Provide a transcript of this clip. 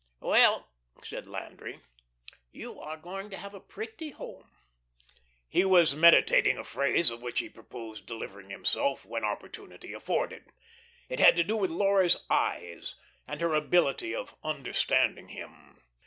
"Well," said Landry, "you are going to have a pretty home." He was meditating a phrase of which he purposed delivering himself when opportunity afforded. It had to do with Laura's eyes, and her ability of understanding him.